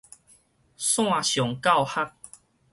線上教學